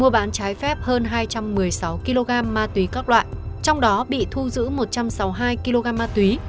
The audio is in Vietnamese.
bán trái phép hơn hai trăm một mươi sáu kg ma túy các loại trong đó bị thu giữ một trăm sáu mươi hai kg ma túy